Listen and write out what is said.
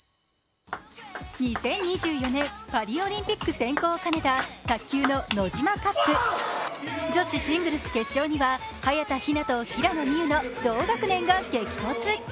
２０２４年パリオリンピック選考を兼ねた卓球のノジマカップ女子シングルス決勝には早田ひなと平野美宇の同学年が激突。